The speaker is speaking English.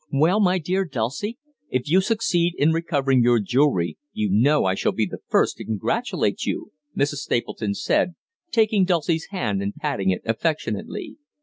"Well, my dear Dulcie, if you succeed in recovering your jewellery you know I shall be the first to congratulate you," Mrs. Stapleton said, taking Dulcie's hand and patting it affectionately.